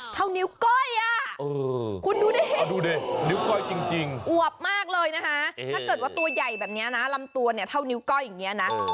ถ้าเกิดว่าตัวใหญ่แบบนี้นะลำตัวเนี่ยเท่านิ้วก้อยอย่างเงี้ยนะ